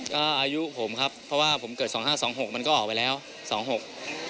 ก็อายุผมครับเพราะว่าผมเกิดสองห้าสองหกมันก็ออกไปแล้วสองหก